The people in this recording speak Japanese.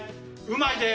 うまいで！